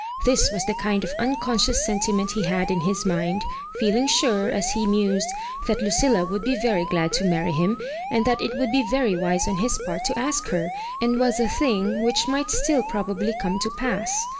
Thiis was the kind of unconscious sen timent he had in his mind, feeling sure, as he mused, that Lucilla would be yery glad to marry him, and that it would be yery wise on his part to ask her, and was a thing which mig^t still probably come to pass.